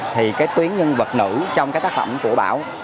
thì cái tuyến nhân vật nữ trong cái tác phẩm của bảo